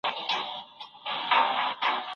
له هر چا نه اول په خپل ځان باور ولره